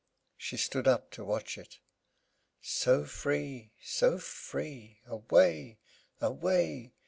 She stood up to watch it. So free, so free! Away, away!